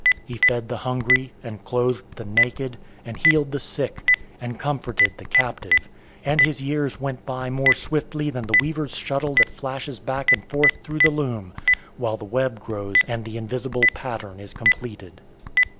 He fed the hungry, and clothed the naked, and healed the sick, and comforted the captive; and his years went by more swiftly than the weaver's shuttle that flashes back and forth through the loom while the web grows and the invisible pattern is completed.